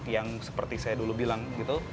yang seperti saya dulu bilang gitu